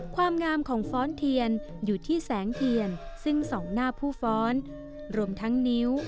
ความงามของฟ้อนเทียนอยู่ที่แสงเทียนซึ่งส่องหน้าผู้ฟ้อนรวมทั้งนิ้ว